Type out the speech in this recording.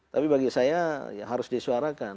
tapi bagi saya ya harus disuarakan